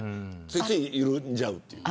ついつい緩んじゃう。